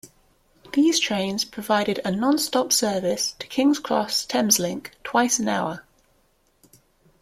These trains provided a non-stop service to King's Cross Thameslink twice an hour.